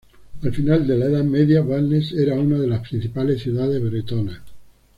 Al final de la Edad Media, Vannes era una de las principales ciudades bretonas.